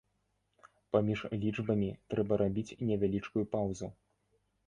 Паміж лічбамі трэба рабіць невялічкую паўзу.